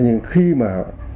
nhưng khi mà